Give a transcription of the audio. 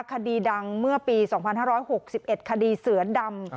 คดีดังเมื่อปีสองพันห้าร้อยหกสิบเอ็ดคดีเสือดำ